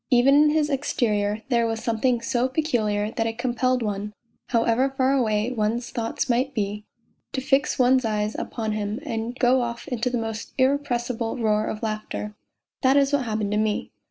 Even in his exterior there was something so peculiar that it compelled one, however far away one's thoughts might be, to fix one's eyes upon him and go off into the most irrepressible roar of laughter. That is what happened to me.